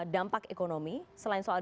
dampak ekonomi selain soal